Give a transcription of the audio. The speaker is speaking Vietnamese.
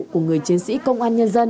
của người chiến sĩ công an nhân dân